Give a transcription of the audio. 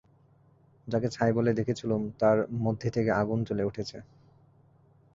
যাকে ছাই বলে দেখেছিলুম তার মধ্যে থেকে আগুন জ্বলে উঠেছে।